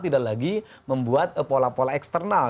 tidak lagi membuat pola pola eksternal